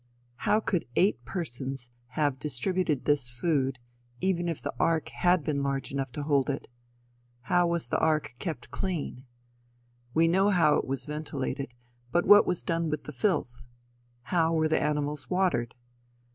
How could eight persons have distributed this food, even if the ark had been large enough to hold it? How was the ark kept clean? We know how it was ventilated; but what was done with the filth? How were the animals watered?